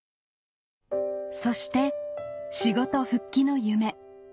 そして仕事復帰の夢